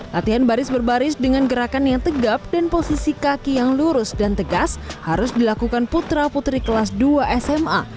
latihan baris berbaris dengan gerakan yang tegap dan posisi kaki yang lurus dan tegas harus dilakukan putra putri kelas dua sma